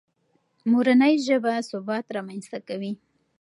مورنۍ ژبه ثبات رامنځته کوي.